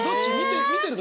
見てる時？